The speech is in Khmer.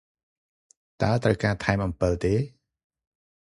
តើត្រូវការថែមអំពិលទេ?